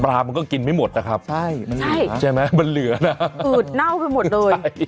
ปลามันก็กินไม่หมดนะครับใช่ใช่ใช่ไหมมันเหลือนะอืดเน่าไปหมดเลยใช่